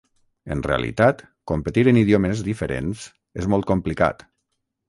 En realitat competir en idiomes diferents és molt complicat.